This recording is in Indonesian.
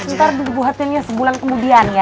sebentar dibuatin ya sebulan kemudian ya